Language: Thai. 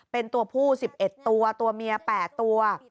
เป็นตัวผู้๑๑ตัวตัวเมีย๘ตัว